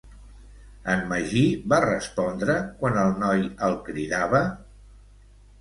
En Magí va respondre quan el noi el cridava?